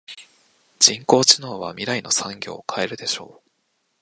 人工知能は未来の産業を変えるでしょう。